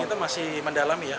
kita masih mendalami ya